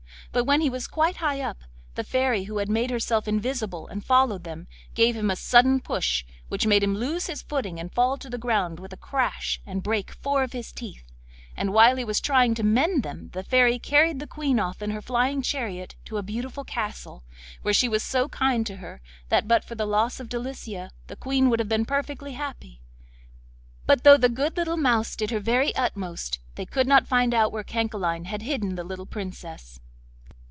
But when he was quite high up, the Fairy, who had made herself invisible and followed them, gave him a sudden push, which made him lose his footing and fall to the ground with a crash and break four of his teeth, and while he was trying to mend them the fairy carried the Queen off in her flying chariot to a beautiful castle, where she was so kind to her that but for the loss of Delicia the Queen would have been perfectly happy. But though the good little mouse did her very utmost, they could not find out where Cancaline had hidden the little Princess.